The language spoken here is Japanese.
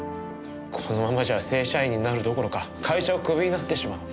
このままじゃ正社員になるどころか会社をクビになってしまう。